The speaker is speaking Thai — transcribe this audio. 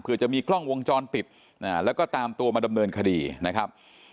เพื่อจะมีกล้องวงจรปิดแล้วก็ตามตัวมาดำเนินคดีนะครับ